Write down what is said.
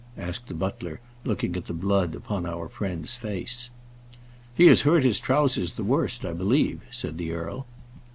asked the butler, looking at the blood upon our friend's face. "He has hurt his trowsers the worst, I believe," said the earl.